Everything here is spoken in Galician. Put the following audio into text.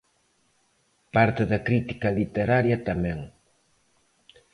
Parte da crítica literaria tamén.